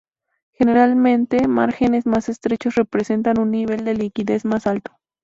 Generalmente márgenes más estrechos representan un nivel de liquidez más alto.